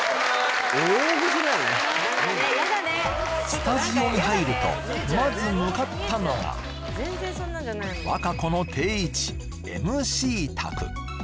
スタジオに入るとまず向かったのが和歌子の定位置ＭＣ卓